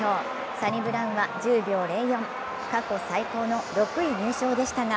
サニブラウンは１０秒０４、過去最高の６位入賞でしたが